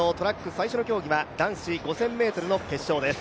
最初の競技は男子５０００ｍの決勝です。